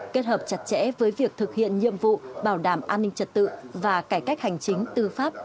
kết hợp chặt chẽ với việc thực hiện nhiệm vụ bảo đảm an ninh trật tự và cải cách hành chính tư pháp